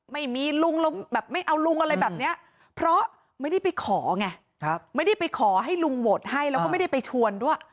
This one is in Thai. ไม่มีลุงแล้วแบบไม่เอาลุงอะไรแบบนี้เพราะไม่ได้ไปขอไงไม่ได้ไปขอให้ลุงโหวตให้แล้วก็ไม่ได้ไปชวนด้วย